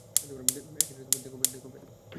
দেখো, বেথ।